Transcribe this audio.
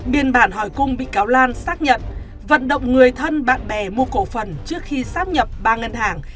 biên bản hỏi cung bị cáo lan xác nhận vận động người thân bạn bè mua cổ phần trước khi xác nhập ba hai